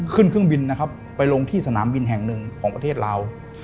ขึ้นเครื่องบินนะครับไปลงที่สนามบินแห่งหนึ่งของประเทศลาว